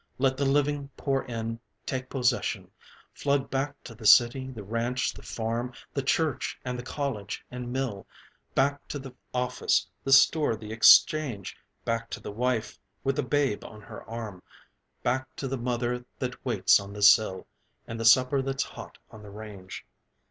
Let the living pour in, take possession, Flood back to the city, the ranch, the farm, The church and the college and mill, Back to the office, the store, the exchange, Back to the wife with the babe on her arm, Back to the mother that waits on the sill, And the supper that's hot on the range.